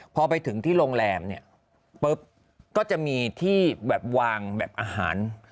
พอไปถึงที่โรงแรมก็จะมีที่วางแบบอาหาร